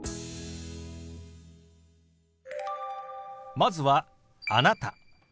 まずは「あなた」。